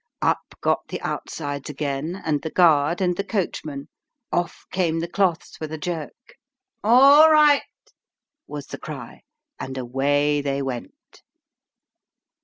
Up got the outsides again, and the guard, and the coachman ; off came the cloths, with a jerk ;" All right," was the cry ; and away they went.